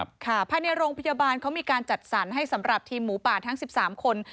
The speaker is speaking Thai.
ภายในโรงพยาบาลเขามีการจัดสรรให้สำหรับทีมหมูป่าทั้ง๑๓คน